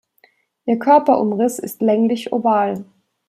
Ihr Körperumriss ist länglich-oval.